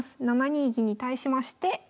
７二銀に対しまして。